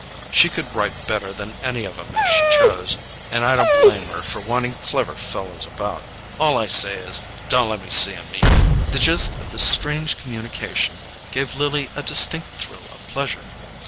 She could write better than any of 'em if she chose, and I don't blame her for wanting clever fellows about; all I say is: 'Don't let me see 'em eat!'" The gist of this strange communication gave Lily a distinct thrill of pleasure.